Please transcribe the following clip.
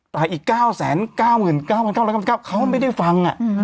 แต่อีก๙๙๙๙๙๙๙เขาไม่ได้ฟัง